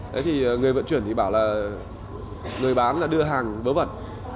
thế thì người vận chuyển thì bảo là người bán là đưa hàng bớ vẩn